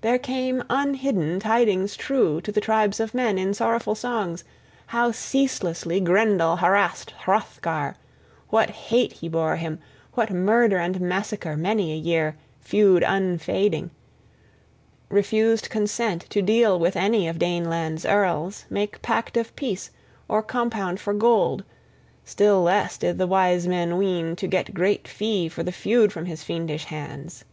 There came unhidden tidings true to the tribes of men, in sorrowful songs, how ceaselessly Grendel harassed Hrothgar, what hate he bore him, what murder and massacre, many a year, feud unfading, refused consent to deal with any of Daneland's earls, make pact of peace, or compound for gold: still less did the wise men ween to get great fee for the feud from his fiendish hands.